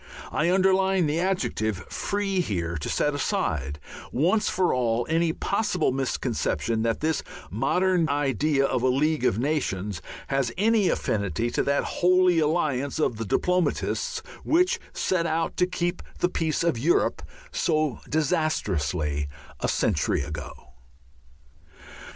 I underline the adjective "Free" here to set aside, once for all, any possible misconception that this modern idea of a League of Nations has any affinity to that Holy Alliance of the diplomatists, which set out to keep the peace of Europe so disastrously a century ago.